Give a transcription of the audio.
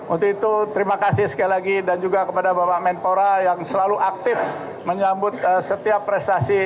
untuk itu terima kasih sekali lagi dan juga kepada bapak menpora yang selalu aktif menyambut setiap prestasi